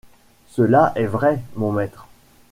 Cela est vrai, mon maître.